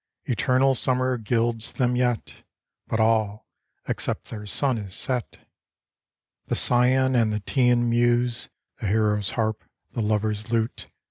Eternal summer gilds them yet. But all, except their sun, is set. The Scian and the Teian muse. The hero's harp, the lover's lute.